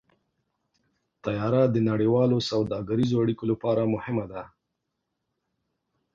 طیاره د نړیوالو سوداګریزو اړیکو لپاره مهمه ده.